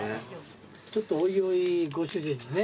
ちょっとおいおいご主人にね。